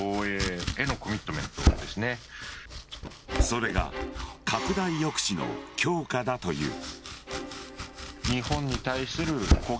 それが拡大抑止の強化だという。